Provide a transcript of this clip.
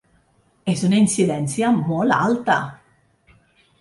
És una incidència molt alta.